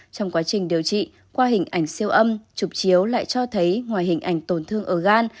trong quá trình điều trị qua hình ảnh siêu âm chụp chiếu lại cho thấy ngoài hình ảnh tổn thương ở gan